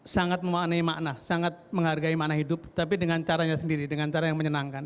sangat memaknai makna sangat menghargai makna hidup tapi dengan caranya sendiri dengan cara yang menyenangkan